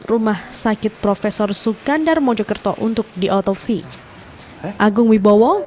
rumah sakit profesor sukandar mojokerto untuk diotopsi